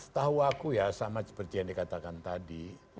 setahu aku ya sama seperti yang dikatakan tadi